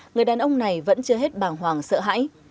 người đàn ông này vẫn chưa hết bàng hoàng sợ hãi